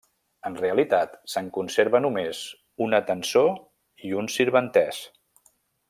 En realitat, se'n conserva només una tençó i un sirventès.